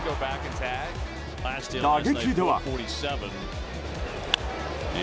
打撃では。